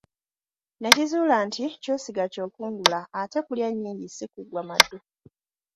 Nakizuula nti ky'osiga ky'okungula, ate kulya nnyingi ssi kuggwa maddu.